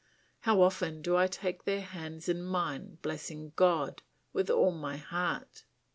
How often do I take their hands in mine blessing God with all my heart!